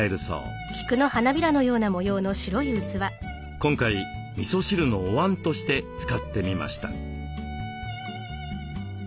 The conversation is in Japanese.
今回みそ汁のおわんとして使ってみました。